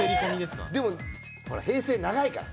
でも平成長いから。